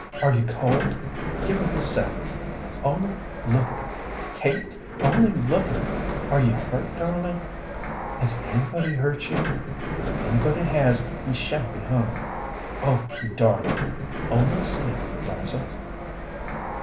Are you cold? Give her this sacque. Only look at her! Kate, only look at her! Are you hurt, darling? Has anybody hurt you? If anybody has, he shall be hung! Oh, you darling! Only see her, 'Liza."